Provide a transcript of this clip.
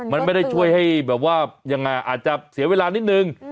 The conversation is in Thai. มันไม่ได้ช่วยให้อาจจะเสียเวลานิดนึง